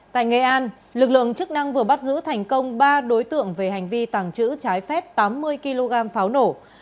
tại nghệ an lực lượng chức năng vừa bắt giữ thành công ba đối tượng về hành vi tàng trữ trái phép tám mươi kg pháo nổ